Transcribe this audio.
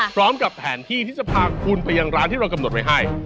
พร้อมกับแผนที่ที่จะพาคุณไปยังร้านที่เรากำหนดไว้ให้